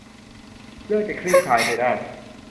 เรื่องจะคลี่คลายไปได้